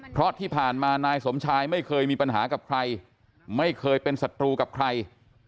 เพราะที่ผ่านมานายสมชายไม่เคยมีปัญหากับใครไม่เคยเป็นศัตรูกับใคร